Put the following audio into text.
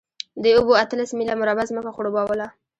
دې اوبو اتلس میله مربع ځمکه خړوبوله.